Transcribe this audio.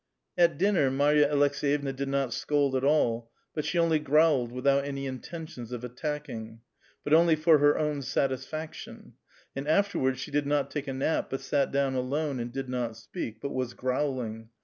At dinner Marva Aleks^vovna did not scold at all, but she only growled without any intentions of attacking ; but only for her own satisfaction ; and afterwards she did not take a nap, but sat down alone and did not speak, but was growling.